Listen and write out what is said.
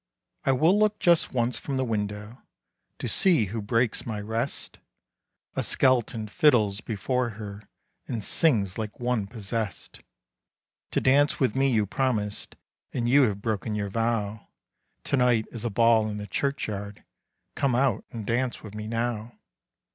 "I will look just once from the window, To see who breaks my rest." A skeleton fiddles before her, And sings like one possessed. "To dance with me you promised, And you have broken your vow. To night is a ball in the churchyard, Come out and dance with me now."